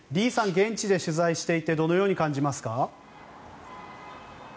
現地で取材していてどのように感じますか？